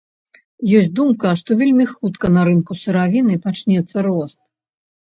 Ёсць думка, што вельмі хутка на рынку сыравіны пачнецца рост.